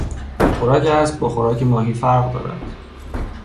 خوراک اسب با خوراک ماهی فرق دارد.